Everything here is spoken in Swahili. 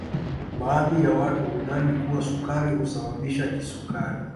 Baadhi ya watu hudhani kuwa sukari husababisha kisukari